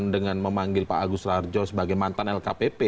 dengan memanggil pak agus rarjo sebagai mantan lkpp